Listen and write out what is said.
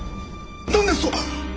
何ですと！？